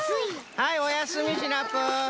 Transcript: はいおやすみシナプー！